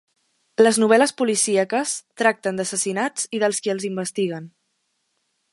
Les novel·les policíaques tracten d'assassinats i dels qui els investiguen.